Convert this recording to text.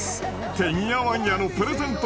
てんやわんやのプレゼント